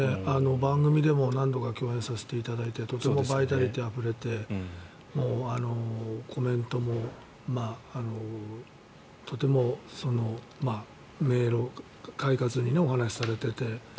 番組でも何度か共演させていただいてとてもバイタリティーあふれてコメントもとても明朗快活にお話しされていて。